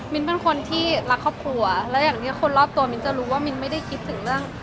เป็นคนที่รักครอบครัวและอย่างที่คนรอบตัวมิ้นจะรู้ว่ามิ้นไม่ได้คิดถึงเรื่อง